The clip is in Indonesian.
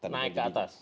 naik ke atas